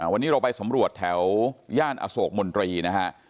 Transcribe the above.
วันนี้เราไปสำรวจแถวย่านอโศกมนตรีนะฮะ